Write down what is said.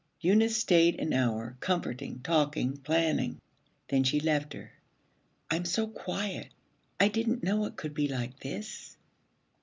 Eunice stayed an hour, comforting, talking, planning. Then she left her. 'I'm so quiet. I didn't know it could be like this.'